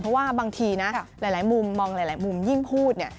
เพราะว่าบางทีนะหลายมุมมองหลายมุมยิ่งพูดเนี่ย